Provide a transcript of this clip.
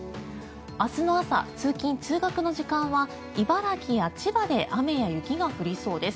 明日の朝、通勤・通学の時間は茨城や千葉で雨や雪が降りそうです。